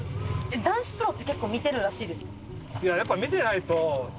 男子プロって結構見てるらしいです。